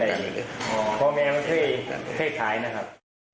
ได้มันเองเพราะมีอันที่ให้ขายนะครับ